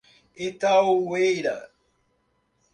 Itaueira